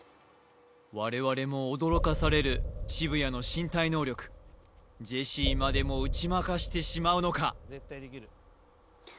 我々も驚かされる渋谷の身体能力ジェシーまでも打ち負かしてしまうのか？